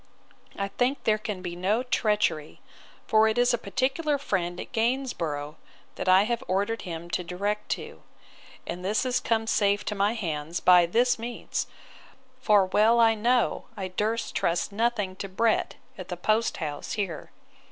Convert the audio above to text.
I think there can be no treachery; for it is a particular friend at Gainsborough, that I have ordered him to direct to; and this is come safe to my hands by this means; for well I know, I durst trust nothing to Brett, at the post house here.